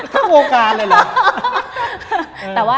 เฟ้งโยคกาเลยเหรอ